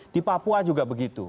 di papua juga begitu